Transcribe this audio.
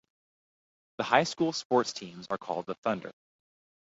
The High School sports teams are called the Thunder.